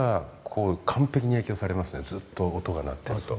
ずっと音が鳴ってると。